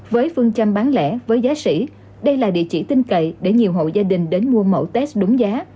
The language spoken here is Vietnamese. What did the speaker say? với phương chăm bán lẻ với giá sỉ đây là địa chỉ tinh cậy để nhiều hộ gia đình đến mua mẫu test đúng giá